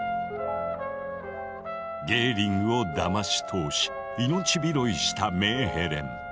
ゲーリングをだまし通し命拾いしたメーヘレン。